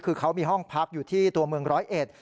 คือเขามีห้องพักอยู่ที่ตัวเมืองร้อยเอ็ด